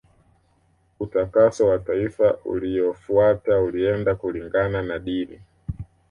Utakaso wa taifa uliofuata ulienda kulingana na dini